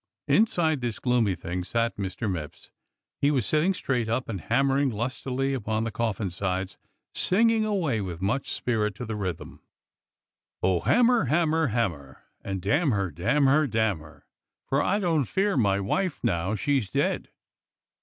Inside this gloomy thing sat Mr. Mipps. He was sitting straight up and hammering lustily upon the coffin sides, singing away with much spirit to the rhythm : O hammer, hammer, hammer. And damn her, damn her, damn her, For I don't fear my wife now she's dead.